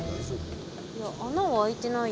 いや穴は開いてないよね。